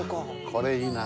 これいいな。